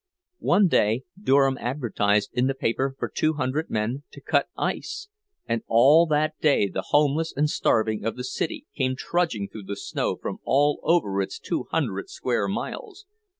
One day Durham advertised in the paper for two hundred men to cut ice; and all that day the homeless and starving of the city came trudging through the snow from all over its two hundred square miles.